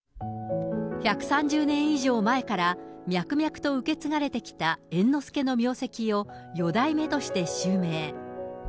１３０年以上前から脈々と受け継がれてきた猿之助の名跡を四代目として襲名。